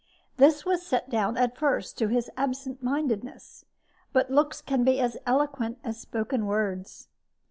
This was set down, at first, to his absent mindedness; but looks can be as eloquent as spoken words.